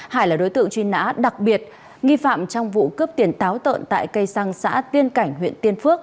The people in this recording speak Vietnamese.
hải là đối tượng truy nã đặc biệt nghi phạm trong vụ cướp tiền táo tợn tại cây xăng xã tiên cảnh huyện tiên phước